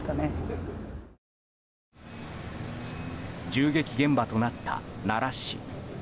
銃撃現場となった奈良市。